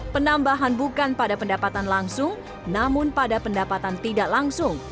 penambahan bukan pada pendapatan langsung namun pada pendapatan tidak langsung